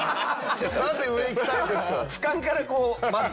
なんで上行きたいんですか？